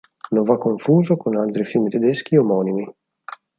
Non va confuso con altri fiumi tedeschi omonimi.